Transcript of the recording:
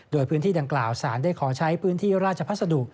โดยพื้นที่ดังกล่าวสารได้ขอใช้พื้นที่ราชพัสดุ